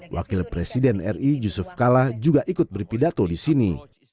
wakil presiden ri yusuf kala juga ikut berpidato di sini